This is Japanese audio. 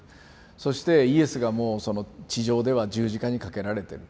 そしてイエスがもう地上では十字架に掛けられてる。